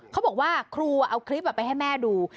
เขาบอกว่าครูเอาคลิปไปให้แม่ดู